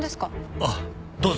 あっどうぞ。